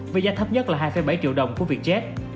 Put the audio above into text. với giá thấp nhất là hai bảy triệu đồng của vietjet